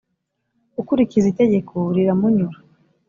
Ukurikiza itegeko, riramunyura,